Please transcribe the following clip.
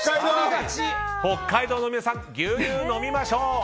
北海道の皆さん牛乳飲みましょう！